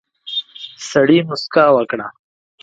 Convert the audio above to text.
سړي موسکا وکړه.